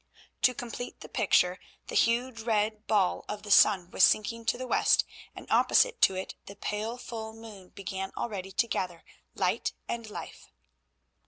To complete the picture the huge red ball of the sun was sinking to the west, and opposite to it the pale full moon began already to gather light and life.